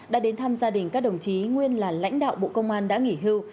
đã đến thăm gia đình các đồng chí nguyên là lãnh đạo bộ công an đã nghỉ hưu